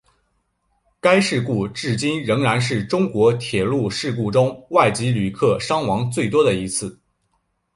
该事故至今仍然是中国铁路事故中外籍旅客伤亡最多的一次。